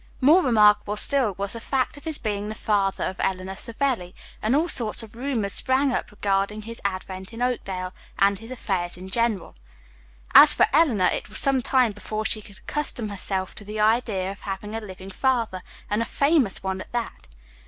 More remarkable still was the fact of his being the father of Eleanor Savelli, and all sorts of rumors sprang up regarding his advent in Oakdale, and his affairs in general. As for Eleanor, it was some time before she could accustom herself to the idea of having a living father, and a famous one at that.